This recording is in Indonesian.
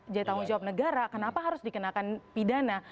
jadi tanggung jawab negara kenapa harus dikenakan pidana